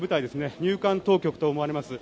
入管当局と思われます。